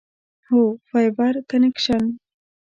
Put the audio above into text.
هو، فایبر کنکشن